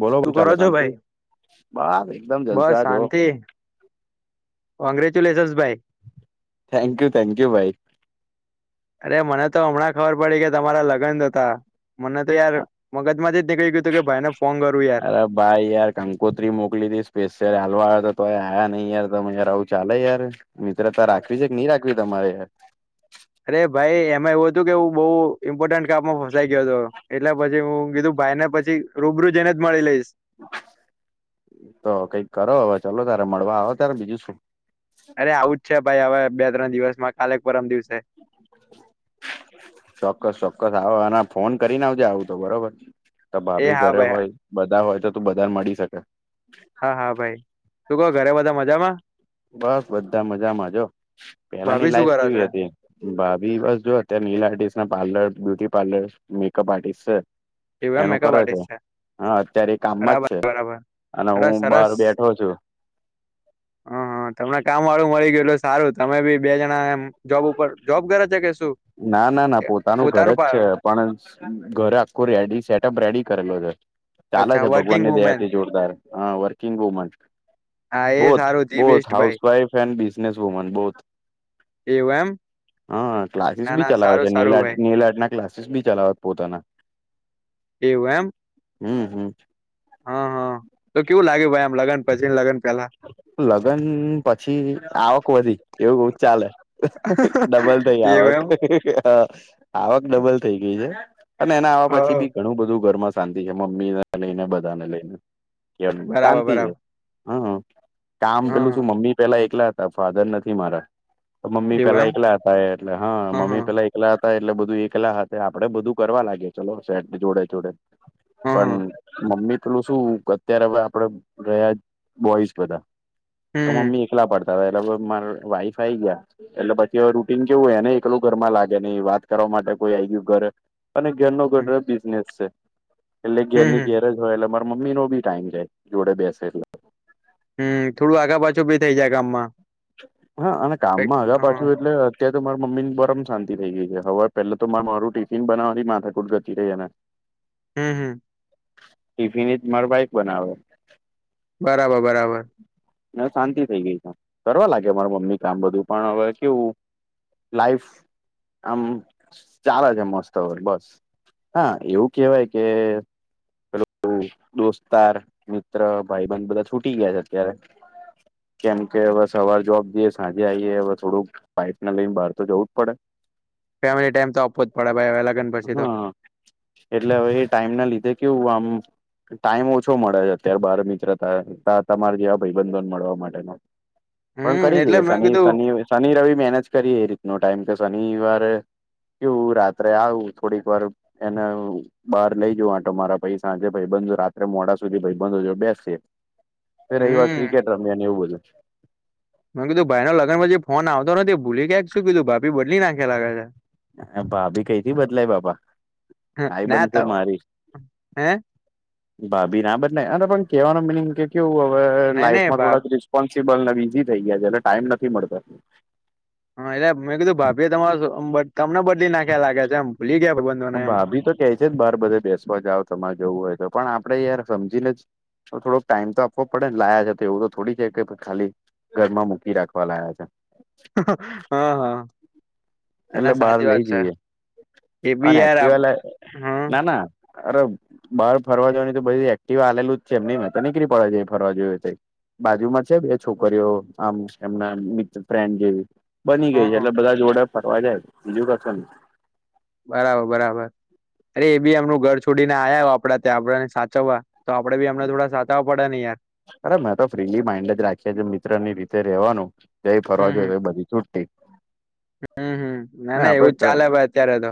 બોલો શું પણ ચાલે કરો છો શાંતિ ભાઈ બસ એકદમ બસ જલસા જો. કોંગ્રેચ્યુલેશનસ ભાઈ. થેન્ક યુ થેન્કયુ ભાઈ. અરે મને તો હમણાં ખબર પડી કે તમારા લગ લગન હતા મને તો યાર મગજમાંથી જ નીકળી ગયું હતું કે ભાઈને ફોન કરું યાર. તા ભાઈ યાર. કંકોત્રી મોકલી દી સ્પેશિયલ આલવા આયો તોય આવ્યા નહી યાર તો યાર આવું ચાલે યાર. મિત્રતા રાખવી અરે છે કે નહી રાખવી તમારે. અરે ભાઈ એમાં એવું હતું કે હું બહુ ઇમ્પોર્ટન્ટ કામમાં ફસાઈ ગયો હતો એટલે પછી હું કીધું ભાઈ ને પછી પછી રૂબરૂ જેને જ મળી લઈશ. તો કઈક કરો હવે ચલો તારે મળવા આવો ત્યારે બીજું શું. અરે આવું જ છે ભાઈ હવે બે ત્રણ દિવસમાં કાલેક પરમ દિવસે. ચોક્કસ ચોક્કસ આવો આને ફોન કરીને આવજે આવું તો બરોબર. તા એ ભાભી હા ઘરે ભાઈ હોય બધા હોય તો તું બધાને મળી શકે. હા હા ભાઈ તું કહો ઘરે બધા મજામાં. બસ બધા મજામાં જો પેલાની ભાભી શું લાઈફ કરે કેવી છે હતી. ભાભી બસ જો અત્યારે nail artist parlour beauty parlour makeup artist છે. એવું એમ એનું મેકઅપ કરે છે આર્ટિસ્ટ હા અત્યારે એ કામમાં જ બરાબર છે. બરાબર અને સરસ હું બહાર સરસ બેઠો છું. હ હ તમને કામ વાળું મળી ગયું એટલે સારું તમે બી બે જણા જોબ ઉપર જોબ કરે છે કે શું. ના ના ના પોતાનું ઘર જ છે પણ ઘરે આખું રેડી સેટઅપ રેડી કરેલો છે. ચાલે અચ્છા છે વર્કિંગ ભગવાનની વુમેન દયાથી જોરદાર હ વર્કિંગ વુમન. હા એ બોથ સારું ધી બોથ બેસ્ટ હાઉસ ભાઈ wife and business woman both. એવું એમ. હા ક્લાસીસ ના બી ના ચલાવે સારું છે સારું નેલઆર્ટ ભાઈ નેલઆર્ટના ક્લાસીસ બી ચલાવે છે પોતાના. એવું એમ હમ્મ હમ્મ. હા તો કેવું લાગે ભાઈ આમ લગન પછી લગન પેલા. લગ્ન પછી આવક વધી એવું બ ચાલે ડબલ. થઈ એવું આવક આવક ડબલ થઈ ગઈ છે અને એના આવવા પછી એમ બી ઘણું બધું ઘરમાં શાંતિ છે મમ્મી ને લઈને બધાને લઈને કેમ હ બરાબર શાંતિ છે. બરાબર હા, કામ પેલું શું હા મમ્મી પેલા એકલા હતા, ફાધર નથી મારા. મમ્મી એવું પેલા એમ એકલા હતા, એ એટલે હા, હ હ મમ્મી પેલા એકલા હતા એટલે બધું એકલા હતા. આપડે બધું કરવા લાગે, ચલો સે જોડે જોડે. હ પણ હ મમ્મી પેલું શું અત્યારે હવે આપડે રહ્યા બોઈસ બધા. હમ મમ્મી એકલા પડતા હતા એટલે મા વાઈફ આઈ ગયા એટલે પછી હવે રૂટિન કેવું એને એકલું ઘરમાં લાગે નહિ વાત કરવા માટે કોઈ આવી ગયું ઘરે. અને ઘેર નો હમ ગટ બિઝનેસ છે એટલે ઘેની હમ ઘેર. ય એટલે મારા મમ્મી ન ભી ટાઈમ જાય, જોડે બેસે એટલે. હમ, થોડું આગા પાછું ભી થઇ જાય ગામમાં. હા, અને કામમાં હગા પાછું એટલે. અત્યારે તો માર મમ્મી ની ગરમ થઈ ગઈ છે. હવે પેલા તો માર મારું ટિફિન બનાવાની માથાકુટ જતી રઈ એ ને. [unintelligible] હમ, હમ. ટિફિન એ મારા બાઈફ બનાવે. બરાબર, બરાબર. શાંતિ થઈ ગઈ છે. કરવા લાગે માર મમ્મી કે આામ બધું, પણ હવે કેવું લાાઈફ આમ ચાલે છે, મસ્ત અ બસ. હા, એવું કેવાય કે હેલો દોસ્તાર, મિત્ર, ભાઈ બંધ બધા છૂટી ગયા છે અત્યારે. કેમ કે હવે સવાર જોબ જઈએ, સાંજે આઈએ હવે થોડુંક. પાઈપ ના લઈને બહાર તો જવું જ પડે. ફેમિલી ટાઈમ તો આપવો જ પડે ભાઈ, હવે લગન પછી તો હા એટલે હવે એ ટાઈમ ના લીધે કેવું આમ. ટાઈમ ઓછો મળે છે અત્યારે, બાર નીકળ્યા તારે તમાર જેવા ભાઈબંધોન મળવા માટેનો. પણ હમ કરી એટલે લઈએ, મેં શનિ કીધું શનિ શનિ રવિ મેનેજ કરીએ એ રીતનો ટાઈમ કે શનિવારે. એવું રાત્રે આવું થોડીક વાર એને. બહાર લઈ જાઉં આંટો મારવા, પછી સાંજે ભાઈબંધ જોડે રાત્રે મોડા સુધી ભાઈબંધો જોદે બેસીએ. અમે રવિવાર હમ ક્રિકેટ રમ્યા ને, એવું બધું. મેં કીધું ભાઈ ના લગ્નમાં ગયા પછી ફોન આવતો નથી. એ ભૂલી ગયા કે શું? કીધું ભાભી બદલી નાખ્યા લાગે છે. હ, ભાભી કઈ થી બદલાય? બાપા, હમ આઈ ના તો બનશે મારી. હે. ભાભી ના બદલાય અને પણ કેવાનું મિનિંગ કે કેવું હવે નઈ નઈ લાઈફમાં ભા થોડાક રિસ્પોન્સિબલ ને બીઝી થઈ ગયા છે, એને ટાઈમ નથી મળતો. હા, એટલે મેં કીધું ભાભી તમારો તમને બદલી નાખ્યા લાગ્યા છે. એમ ભૂલી ગયા બંધાને એમ. એ તો કે છે જ બાર બધા દેશમાં જાઓ, તમારે જવું હોય તો. પણ આપડે યાર સમજી ને જ. તો થોડો ટાઈમ તો આપવો પડે ને. લાયા છે તો એવું તો થોડી છે કે ખાલી ઘરમાં મૂકી રાખવા લાયા છે. હા, હા. એના એટલે બહાર સાચી લઈ વાત છે જઈએ. એ બી અને યાર આપ એકટીવા લાયા, હમ ના ના. અરે, બહાર ફરવા જવાની તો બધી એક્ટિવા આલું જ છે એમ નહી ને? તો નીકળી પડે, જાય એ ફરવા જોઈએ. બાજુમાં છે બે છોકરીઓ, આમ એમના મિત્ર ફ્રેન્ડ જેવી. બની ગઈ છે હમ એટલે બધા જોડે ફરવા જાય, બીજું કશું નહી. બરાબર, બરાબર. અરે એ બી એમનું ઘર છોડીને આયા હોય આપડા ત્યાં, આપને સાચવવા. તો આપડે બી અમને થોડા સાચવા પડે ને યાર. અરે, મેં તો ફ્રીલી માઇન્ડે જ રાખીએ, મિત્ર ની રીતે રહેવાનું. તો જઈ ફરવા જાઓ, તો એ બધી છુટી. હમ્મ, હમ્મ. ના ના, એવું જ આપડે ચાલે ભાઈ અત્યારે તો.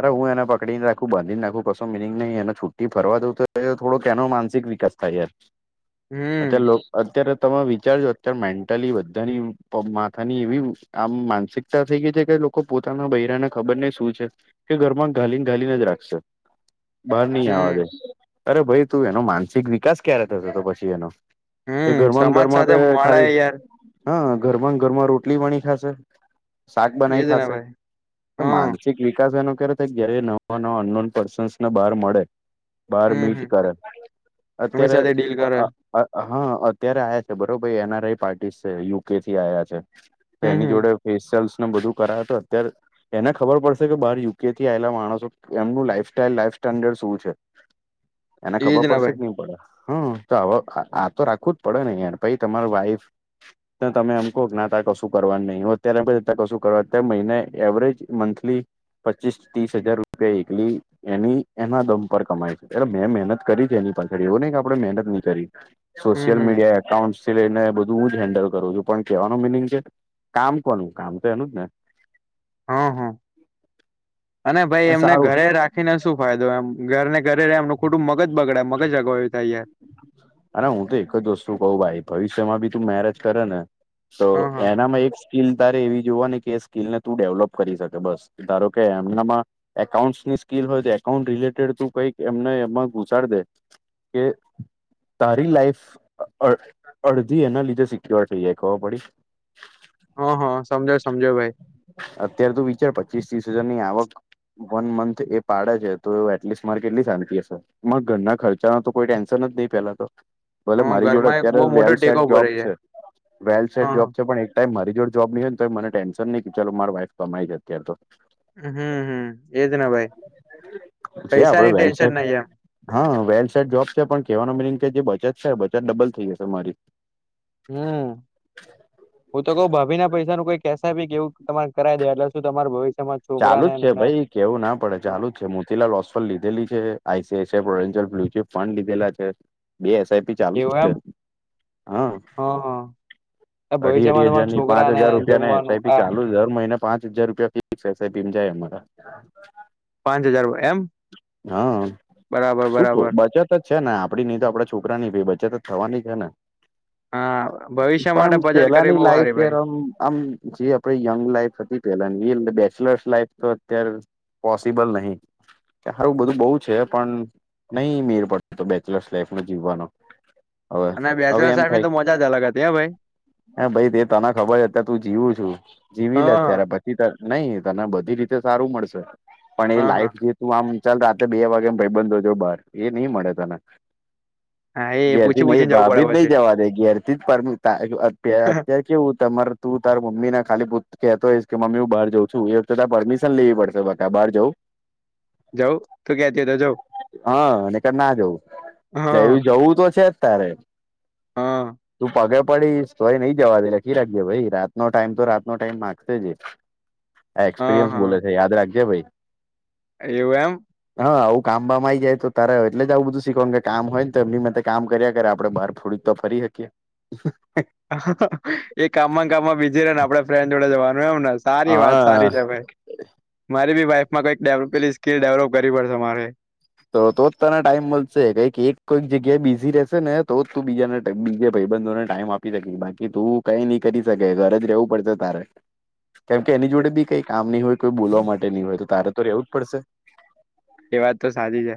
અરે, હું એને પકડીને રાખું, બાંધીને રાખું, કશો મિનિંગ નહીં એનો. છુટ્ટી ફરવા દઉ તો થોડો એનો માનસિક વિકાસ થાય યાર. આજે હમ લોક. અત્યારે તમે વિચારજો, અત્યારે મેન્ટલી બધાની માથાની એવી આમ માનસિક. તા થઈ ગઈ છે કે લોકો પોતાના બૈરાને ખબર ને શું છે. કે ઘરમાં ઘાલીને ઘાલીને જ રાખશે, બહાર નહીં આવવા હમ દે. અરે ભાઈ, તું એનો માનસિક વિકાસ ક્યારે થશે તો પછી એનો? એ હમ ઘરમાં સમાજ ઘરમાં તો સાથે મળે ખાલી. યાર હા ઘરમાં ઘરમાં રોટલી વણી ખાશે શાક બનાવી એજ ને ખાશે ભાઈ તો હમ માનસિક વિકાસ એનો કે ર જ નવા નવા અનલોન પર્સન્સને બહાર મળે બાર હમ મીટ હમ કરે એમની અત્યારે સાથે ડીલ કરે હા અત્યારે આયા છે બરોબર એન આર આઈ પાર્ટીસ છે યુકે થી આયા છે. તો હમ એની હમ જોડે ફેસલ્ને બધું કરાયા તો અત્યારે એને ખબર પડશે કે બાર યુ યુકે થી આવેલા માણસો એમનું લાઈસ્ટાઇલ લાઈફ સ્ટેન્ડર્ડ શું છે. એને એજ ખબર ને પડશે ભાઈ કે નઈ પડે. હ તો હવે આ તો રાખવું જ પડે ને પછી તમાર વાઈફ તમે એમ કહો નાતા કશું કરવાની નહીં હોય અત્યારે કશું કરવા અત્યારે મહિને એવરેજ મંથલી પચીસ ત્રીસ હજાર રૂપિયા એકલી એની એના દમ પર કમાય છે એટલે મેં મહેનત કરી છે એની પાછળડી એવું નહી કે આપણેે મહેનત નહી કરી હમ સોશિલ હમ મીડિયા એક્ટ એકાઉટથી લઈને બધું હું જ હેન્ડલ કરું છું પણ કેહેવાનું મિનિંગ કે કામ કોનું કામ તો એનું જ ને હા-હા અને ભાઈ એ એમને સારું ઘરે રાખીને શું ફાયદો એમ ઘર ને ઘરે રહે એમનું ખોટું મગજ બગડે મગજ જગવાય્યું થાય યાર. હા હું તો એક જ વસ્તુ કહું ભાઈ ભવિષ્યમાં ભી તું મેરેજ કરે ને તો હા હા એનામાં એક સ્કીિલ તારે એવી જોવા ને કે એ સ્કીિલ ને તું ડેવલોપ કરી શકે બસ ધારો કે એમનામાં એકાઉન્ટસની સ્કીિલ હોય તો એકાઉન્ટ રિલેટેડ તું કંઈક એમને એમાં ગુસાડ દે કે તારી લાઈફ અડધી એના લીધે સિક્યોર થઈ જાય ખબર પડી હ હ સમજો સમજો ભાઈ અત્ય્યારે તોું વિચાર પચીસ ત્રીસ હજારની આવક વન મંથ એ પાડે છે તો એ એટલીસ્ટ મારે કેટલી શાંતિ હશે માં ઘરના ખર્ચા ન તો કોઈ ટેન્શન જ નહીં પેલા તો ભલે હા મારી જોડે ઘરમાં એક અત્યારે બહુ મોટો વેલ સટ ટેકો જોબ ભરાય છે વેલ સટ હા જોબ છે પણ મારી જોડ જોબ નહી હોયને તો મને ટેન્ન નહીં કે ચાલો માર વાઇફ કમાઈ છે અત્યારે તો હમ હમ એજ ના ભાઈ છે આપડે પૈસાની વેલ ટેન્શન સેટ નહી એમ હા વેલ સાડ જોબ છે પણ કેવાનો મ કે જે બચત છે બચત ડબલ થઈ જશે મારી હમ હું તો કઉ ભભી ના પૈસા નું કોઈ કેસી કે એવું તમારે કરાવ દે એટલે શું તમાર ભવિષ્ય ચાલુ જ છે ભાઈ કેવું ના પડે હા ચાલુ જ છે લાસફર લીધેલી છે આઈસીસ પ્રોન્શલ ફલુચિપ ફંડ લીધેલા છે બે એસઆઈપી ચાલુ એવું છે એમ હા અઢી ભવિષ્યમાં અઢી હજાર તમારા ની પાંચ છોકરાને હજાર રૂપિયાને જમવાનું એસઆઈપી આ ચાલુ દર મહિને પાંચ હજાર રૂપિયા ફિક્સ એસઆઈપી જાય અમારા પાંચ હજાર એમ હા બરાબર શું ક બરાબર બાચાર છે ને આપડી નઈ તો આપડા છોકરા ની ભી બચ્ે તો જ થવાની જ છે ને હા ભવિષ્ય પણ માટે બચત કરી પેલાની બહુ હારી ભાઈ લાઈફરમ આમ જે આપડે યંગ લાઈફ હતી પેલા ની એ અર બેચલર્સ લાઈફ તો અત્યારે પોસિબલ નહિ ખારું બધું બહુ છે પણ નહી મેર પડતો તો બેચલર્સ લાઈફ નો જીવવાનો હવે અને હવે બેચલર સા ની તો મજા જ અલગ હતી હ ભાઈ એ ભઈ તે તને ખબર છે અત્યારે તું જીવું છું, જીવી લે હા અત્યારે ભ ઈ તન નહીં તને બધી રીતે સારું મળશે. પણ એ હા હા લાઈફ જે તું આમ ચલ રાતે બે વાગે ભઈબંધો જોડ બાર. એ નહી મળે તને. હા એ ઘેરથી પૂછી નહી પૂછીને જવું ભાભી જ પડે નહી પછી જવા દે ઘેરથી પર [inaudible] ત કેવું તમારે તું તાર મમ્મીને ખા કહેતો હોય કે મમ્મી હું બહારઉ છું એક વ તો ત પ પરમિશન લેવી પડશે ત બહાર જાઉ જાઉ તું ક્યા હા નેકર ના હા જયુ [unintelligible] જવું તો છે જ તારે! હા તું પાગ્યા પાડી પહિ નહી જવા દે લખી રાખજે ભાઈ. રાતનો ટાઈમ તો રાતનો ટાઈમ માગશે જ એ. આ હા એક્સપિરિયન્સ હા બોલે છે યાદ રાખજે ભઈ. એવું એમ? હા આવું કામ બામ આવી જાય તો તારે એટલે જ આવું બધું શીખવાનું કે કામ હોય ન તો એમની માટે કામ કર્યા કરે આપણે બહાર થોડી તો ફરી હકીએ. એ કામમાં ને કામમાં બીજી રે ને આપડે ફ્રેન્ડ જોડે જવાનું એમને. સારી વાત સારી હા છે ભાઈ. મારી બી વાઈફમાં કઈક ડેવ પેલી સ્કીલ ડેવલોપ કરવી પડશે મારે. તો તો જ તને ટાઈમ મલશે. કઈક એક કોઈક જગ્યાએ બીઝી રહેશે ને તોજ તું બીજાને બીજે ભઈબંધોને ટાઈમ આપી શકી. બાકી તું કઈ નઈ કરી શકે ઘરે જ રહેવું પડશે તારે. કેમ કે એની જોડે બી કઈ કામ નહી હોય કોઈ બોલવા માટે નઈ હોય તો તારે તો રહેવું જ પડશે. એ વાત તો સાચી છે.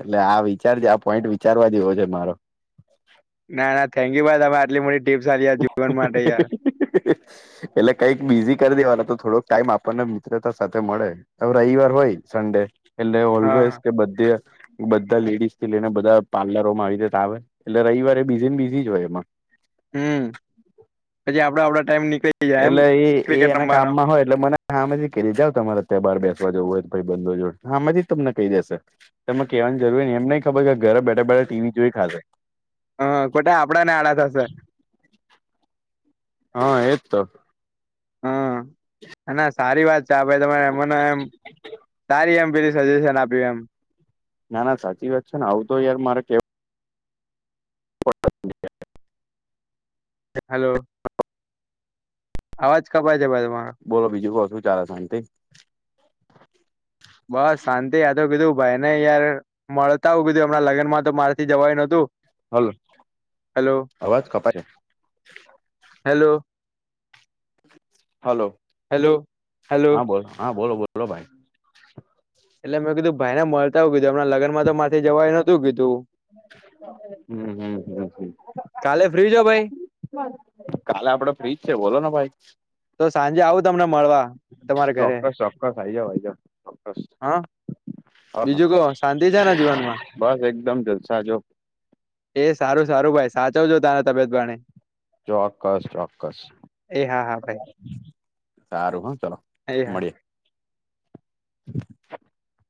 એટલે આ વિચારજે આ પોઈન્ટ વિચારવા જેવો છે મારો. ના ના થેન્કયુ ભાઈ તમે આટલી મોટી ટીપ્સ આલી આ જીવન માટે યાર. એટલે કઈક બિઝી કરી દેવાનો તો થોડોક ટાઈમ આપણને મિત્રતા સાથે મળે. હવે રવિવાર હોય સન્ડે એટલે હા ઓલવેઝ હા કે બધે બધા લેડીઝથી લઈને બધા પાર્લરોમાં આવી રીતે આવે, એટલે રવિવારે એ બીઝી ને બીઝી જ હોય એમાં. હમ પછી આપડા આપડા ટાઈમ નીકળી જાય એમ એટલે એ એ ક્રિકેટ એના રમવાનો કામમાં હોય એટલે મને હામેથી કહી દે જાવ તમારે અત્યારે બાર બેસવા જવું હોય તો ભઈબંધો જોડે હામેથી જ તમને કહી દેશે. તમને કેવાની જરૂર રે નહીં એમ નહીં ખબર કે ઘરે બેઠા બેઠા ટીવી જોઈ ખાશે. હહ ખોટા આપણને આડા થશે. હહ એજ તો. હહ અને સારી વાત છે આ ભાઈ તમારે એમના એમ સારી એમ પેલી સજેશન આપ્યું એમ. ના ના સાચી વાત છે ને આવું તો યાર મારે કે [unintelligible] હલો અવાજ કપાય છે ભાઈ તમારો. બોલો બીજું કો શું ચાલે શાંતિ? બસ શાંતિ આતો કીધું ભાઈને યાર મળતા આવું કીધું એમના લગ્નમાં તો મારે થી જવાયુ નતું. હલો હેલો અવાજ કપાય હે. હેલો હલો હેલો હેલો હા બોલો હા બોલો બોલો ભાઈ. એટલે મેં કીધું ભાઈને મળતા આવુ કીધું એમના લગન માંતો મારથી જવાયુ નત હમ હમ હમ હમ કાલે ફ્રી છો ભાઈ કાલે આપડે ફ્રીજ છે બોલો ને ભાઈ. તો સાંજે આવું તમને મળવા, તમારા ઘરે. ચોક્કસ ચોક્કસ આઈ જાઓ આઈ જાઓ. હા અહા બીજું કહો શાંતિ છે ને જીવનમાં બસ એકદમ જલસા જો. એ સારું સારું ભાઈ. સાચવજો તારે તબિયત પાણી. ચોક્કસ ચોક્કસ. એ હા હા ભાઈ સારું હ ચલો એ હા મળીએે. [inaudible]